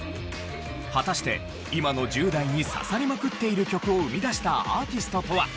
果たして今の１０代に刺さりまくっている曲を生み出したアーティストとは？